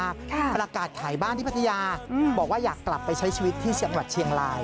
ประกาศขายบ้านที่พัทยาบอกว่าอยากกลับไปใช้ชีวิตที่จังหวัดเชียงราย